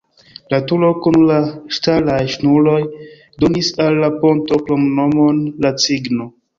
La turo kun la ŝtalaj ŝnuroj donis al la ponto la kromnomon "la cigno".